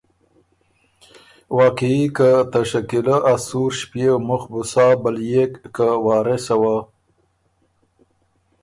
واقعي که ته شکیله ا سُوڒ ݭپيېو مُخ بُو سا بلئېک که وارثه وه